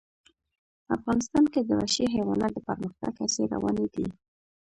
افغانستان کې د وحشي حیوانات د پرمختګ هڅې روانې دي.